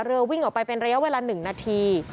เรือวิ่งออกไปเป็นระยะเวลา๑นาที